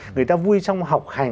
người ta vui trong học hành